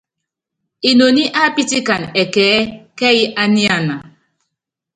Inoní á pítikan ɛkɛɛ́ kɛ́y á niana.